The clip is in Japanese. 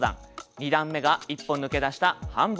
２段目が一歩抜け出した半ボン。